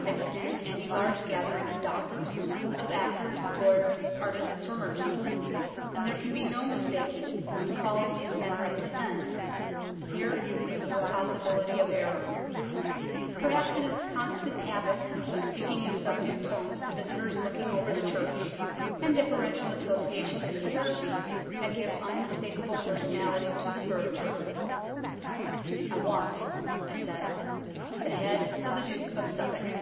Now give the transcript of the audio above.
Mix in any large gathering of doctors, of actors, lawyers, artists or merchants, and there can be no mistaking the calling these men represent. Here was no possi bility of error. Perhaps it is the constant habit of speaking in subdued tones to visitors looking over the church, and deferential association with the clergy, that give unmistakable personality to the verger. " I want," I said, " the head of the Duke of Suffolk."